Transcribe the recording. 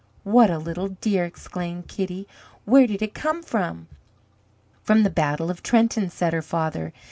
"What a little dear!" exclaimed Kitty; "where did it come from?" "From the battle of Trenton," said her father.